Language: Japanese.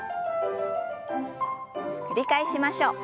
繰り返しましょう。